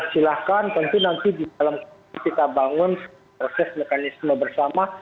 silahkan tentu nanti di dalam kita bangun proses mekanisme bersama